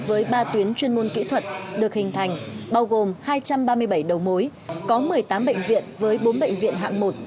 với ba tuyến chuyên môn kỹ thuật được hình thành bao gồm hai trăm ba mươi bảy đầu mối có một mươi tám bệnh viện với bốn bệnh viện hạng một